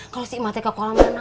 kalau si emah teh ke kolam mana